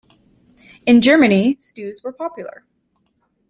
In Germany, stews were popular.